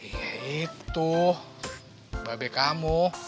ya itu babe kamu